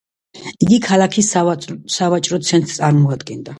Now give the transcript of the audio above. იგი ქალაქის სავაჭრო ცენტრს წარმოადგენდა.